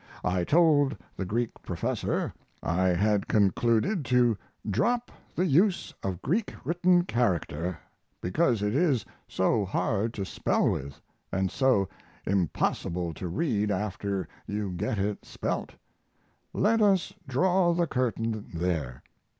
I told the Greek professor I had concluded to drop the use of Greek written character because it is so hard to spell with, and so impossible to read after you get it spelt. Let us draw the curtain there.